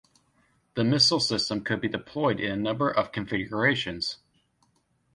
The missile system could be deployed in a number of configurations.